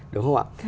đúng không ạ